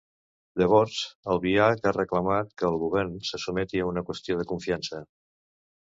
Llavors, Albiach ha reclamat que el Govern se sotmeti a una qüestió de confiança.